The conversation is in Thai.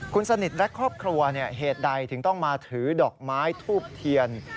คุณสนิทและครอบครัวเหตุใดถึงต้องมาถือดอกไม้ทูบเทียน